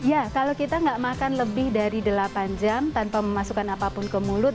ya kalau kita nggak makan lebih dari delapan jam tanpa memasukkan apapun ke mulut